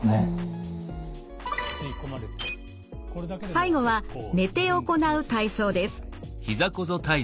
最後は寝て行う体操です。